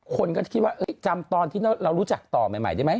คนก็จะคิดว่าจำตอนที่เรารู้จักต่อใหม่ได้ไหม